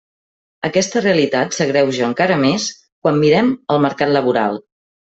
Aquesta realitat s'agreuja encara més quan mirem el mercat laboral.